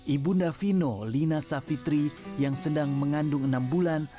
ibunda fino lina savitri yang sedang mengandung enam bulan